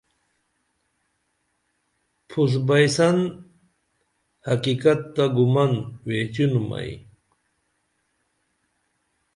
پُھس بئیسن حقیقت تہ گُمن ویچینُم ائی